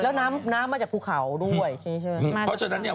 แล้วน้ำมาจากภูเขาด้วย